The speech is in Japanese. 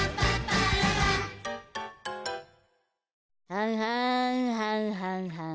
ははんはんはんはん。